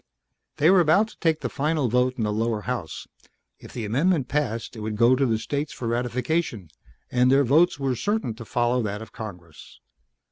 They were about to take the final vote in the lower house. If the amendment passed it would go to the states for ratification, and their votes were certain to follow that of Congress.